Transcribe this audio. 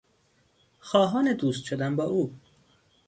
خواهان دوست شدن با او